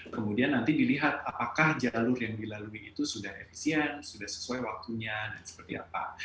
kemudian nanti dilihat apakah jalur yang dilalui itu sudah efisien sudah sesuai waktunya dan seperti apa